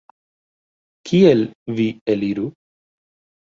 Kiel vi eliru?